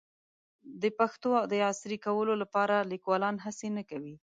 د پښتو د عصري کولو لپاره لیکوالان هڅې نه کوي.